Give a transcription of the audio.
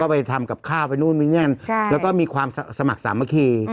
ไปทำกับข้าวไปนู่นไปนี่แล้วก็มีความสมัครสามัคคี